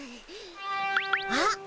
あっ！